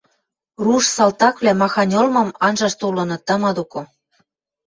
Руш салтаквлӓ махань ылмым анжаш толыныт тама доко.